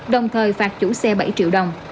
đồng thời phạt chủ xe bảy triệu đồng